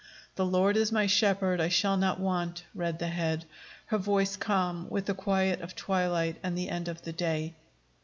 "The Lord is my shepherd; I shall not want," read the Head, her voice calm with the quiet of twilight and the end of the day.